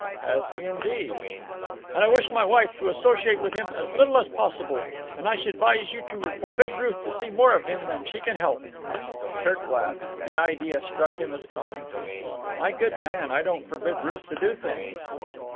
"Has he, indeed!" "And I wish my wife to associate with him as little as possible. And I should advise you to forbid Ruth to see more of him than she can help." Kirk laughed. The idea struck him as comic. "My good man, I don't forbid Ruth to do things."